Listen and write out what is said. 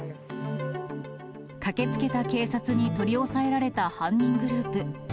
駆けつけた警察に取り押さえられた犯人グループ。